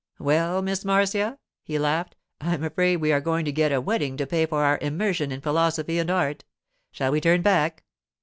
'Well, Miss Marcia,' he laughed, 'I am afraid we are going to get a wetting to pay for our immersion in philosophy and art. Shall we turn back?